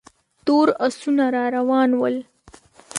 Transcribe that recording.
تور آسونه را روان ول.